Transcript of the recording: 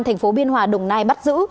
thành phố biên hòa đồng nai bắt giữ